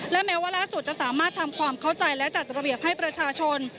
และแม้ว่าล่าสุดจะสามารถทำความเข้าใจและจัดระเบียบให้ประชาชน